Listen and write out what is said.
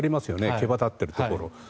毛羽立っているところ。